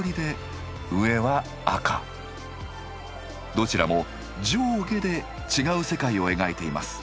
どちらも上下で違う世界を描いています。